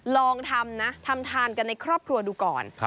ลองทำนะทำทานกันในครอบครัวดูก่อน